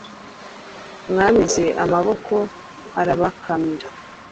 Mwameze amaboko arabakamira